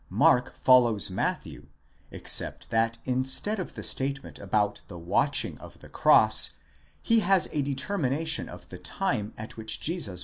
Mark follows Matthew, except that instead of the statement about. the watching of the cross, he has a determination of the time at which Jesus.